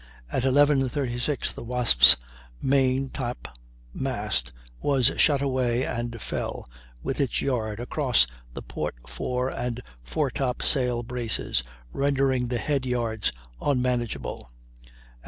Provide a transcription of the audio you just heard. At 11.36 the Wasp's maintop mast was shot away and fell, with its yard, across the port fore and foretop sail braces, rendering the head yards unmanageable; at 11.